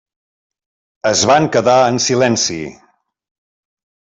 Es van quedar en silenci.